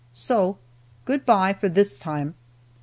"So good by for this time.